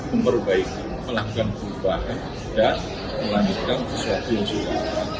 memperbaiki melakukan perubahan dan melanjutkan sesuatu yang juga